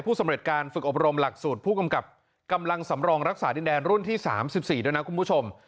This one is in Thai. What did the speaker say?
สำเร็จการฝึกอบรมหลักสูตรผู้กำกับกำลังสำรองรักษาดินแดนรุ่นที่๓๔ด้วยนะคุณผู้ชม